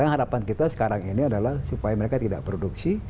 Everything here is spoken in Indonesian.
harapan kita sekarang ini adalah supaya mereka tidak produksi